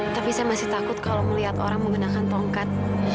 tapi saya masih takut kalau melihat orang menggunakan tongkat